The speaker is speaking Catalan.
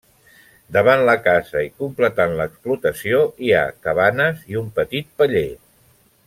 Davant la casa i completant l'explotació hi ha cabanes i un petit paller.